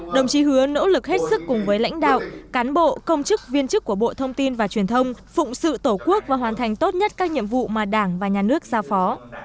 đồng chí hứa nỗ lực hết sức cùng với lãnh đạo cán bộ công chức viên chức của bộ thông tin và truyền thông phụng sự tổ quốc và hoàn thành tốt nhất các nhiệm vụ mà đảng và nhà nước giao phó